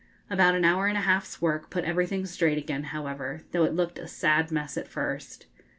About an hour and a half's work put everything straight again, however, though it looked a sad mess at first.